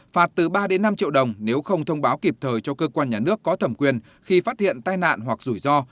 phạt từ ba đến năm triệu đồng nếu không thông báo kịp thời cho cơ quan nhà nước có thẩm quyền khi phát hiện tai nạn hoặc rủi ro